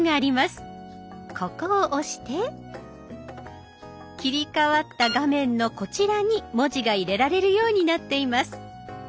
ここを押して切り替わった画面のこちらに文字が入れられるようになっています。